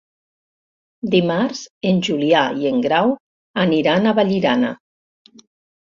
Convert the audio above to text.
Dimarts en Julià i en Grau aniran a Vallirana.